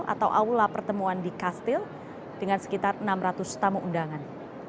atau aula pertemuan di kastil dengan sekitar enam ratus tamu undangan